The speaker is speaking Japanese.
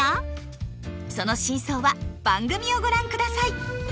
その真相は番組をご覧ください！